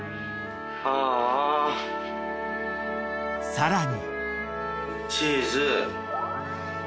［さらに］